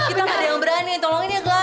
kita gak ada yang berani tolong ini ya glass